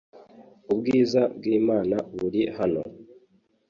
ubwiza bw’Imana buri hano